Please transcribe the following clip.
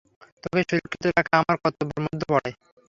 তোকে সুরক্ষিত রাখা আমার কর্তব্যের মধ্যে পড়ে!